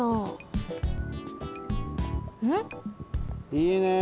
いいね！